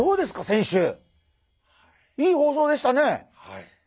先週いい放送でしたね。